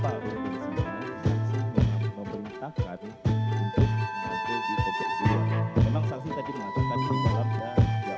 hai meng vs memberitakan untuk mengajuti kebuatan memang